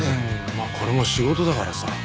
まあこれも仕事だからさ。